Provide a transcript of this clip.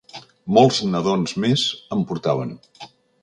Molts nadons més en portaven.